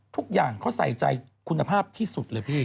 ทุกอย่างเขาใส่ใจคุณภาพที่สุดเลยพี่